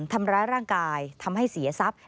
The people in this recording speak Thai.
ทำร้ายร่างกายทำให้เสียทรัพย์